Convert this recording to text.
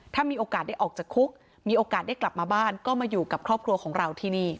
ถ้ามีโอกาสได้ออกจากคุกมีโอกาสได้กลับมาบ้านก็มาอยู่กับครอบครัวของเราที่นี่